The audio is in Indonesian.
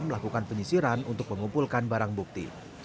melakukan penyisiran untuk mengumpulkan barang bukti